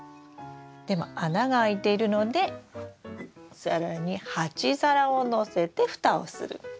でも穴が開いているので更に鉢皿を載せて蓋をする。